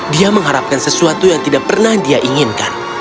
dia mengharapkan sesuatu yang tidak pernah dia inginkan